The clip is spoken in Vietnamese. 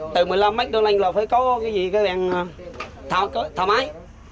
từ một mươi năm máy tàu anh là phải có thợ máy